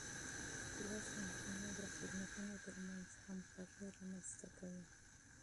لوستې نجونې د خدمتونو ترمنځ همغږي رامنځته کوي.